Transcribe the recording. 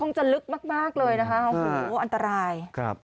คงจะลึกมากเลยนะคะอันตราย